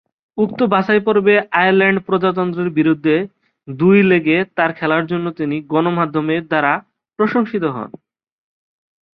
উক্ত বাছাইপর্বে আয়ারল্যান্ড প্রজাতন্ত্রের বিরুদ্ধে দুই লেগে তার খেলার জন্য তিনি গণমাধ্যমের দ্বারা প্রশংসিত হন।